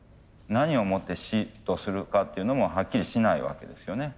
何をもって死とするかっていうのもはっきりしないわけですよね。